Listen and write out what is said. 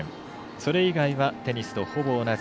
それ以外はテニスとほぼ同じ。